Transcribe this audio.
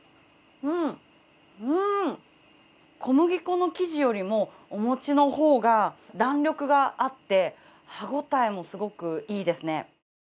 小麦粉の生地よりもお餅のほうが弾力があって、歯ごたえもすごくいいですね。